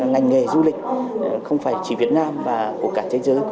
ngành nghề du lịch không phải chỉ việt nam và của cả thế giới